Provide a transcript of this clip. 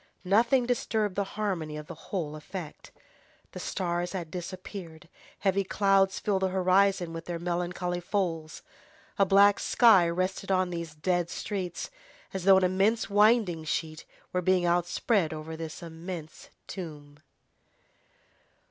Nothing disturbed the harmony of the whole effect. The stars had disappeared, heavy clouds filled the horizon with their melancholy folds. A black sky rested on these dead streets, as though an immense winding sheet were being outspread over this immense tomb.